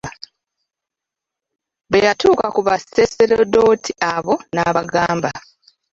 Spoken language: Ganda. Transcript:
Bwe yatuuka ku Baseserdoti abo n'abagamba.